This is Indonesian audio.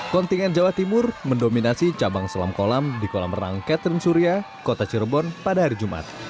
kontingen jawa timur mendominasi cabang selam kolam di kolam renang catherine surya kota cirebon pada hari jumat